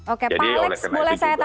oke pak alex boleh saya tahan dulu